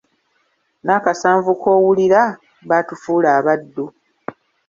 "N’akasanvu k’owulira, baatufuula abaddu."